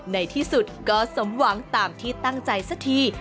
ในที่สุดก็สมหวังตามที่ตั้งใจสักที